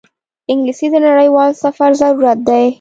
انګلیسي د نړیوال سفر ضرورت دی